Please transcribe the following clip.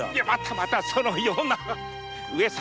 またそのような上様！